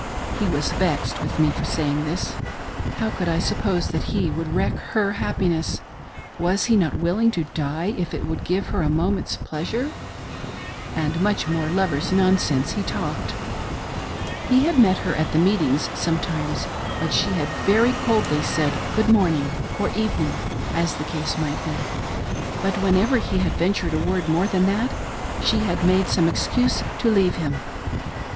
He was vexed with me for saying this. How could I sup pose that he would wreck her happiness t Was he not will ing to die if it would give her a moment's pleasure .■• And much more lovers' nonsense he talked. He had met her at the meetings sometimes, but she had very coldly said good morning, or evening, as the case might be ; but whenever he had ventured a word more than that, she had made some excuse to leave him.